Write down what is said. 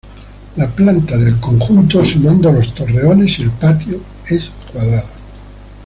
La planta del conjunto, sumando los torreones y el patio, es cuadrada.